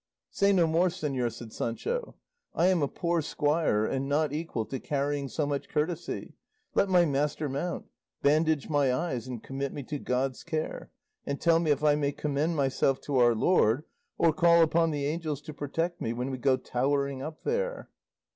"Say no more, señor," said Sancho; "I am a poor squire and not equal to carrying so much courtesy; let my master mount; bandage my eyes and commit me to God's care, and tell me if I may commend myself to our Lord or call upon the angels to protect me when we go towering up there."